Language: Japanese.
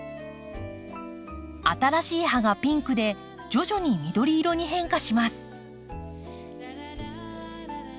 新しい葉がピンクで徐々に緑色に変化します。